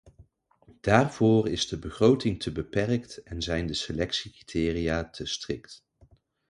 Daarvoor is de begroting te beperkt en zijn de selectiecriteria te strikt.